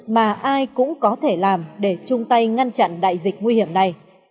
mà ai cũng có thể làm để chung tay ngăn chặn đại dịch nguy hiểm này